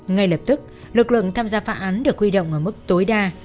ngay lập tức lực lượng tham gia phạm án được huy động ở mức tối đa